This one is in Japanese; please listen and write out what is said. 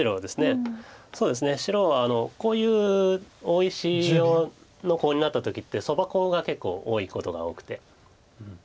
白はこういう大石のコウになった時ってソバコウが結構多いことが多くて。